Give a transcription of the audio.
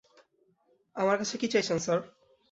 আমার কাছে কী চাইছেন, স্যার?